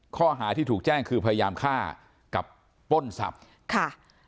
ข้อหาที่ถูกแจ้งคือพยายามฆ่ากับปล้นทรัพย์ค่ะ